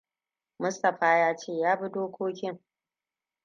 Mustapha ya ce ya bi dokokin.